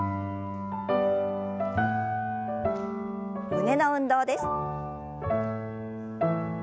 胸の運動です。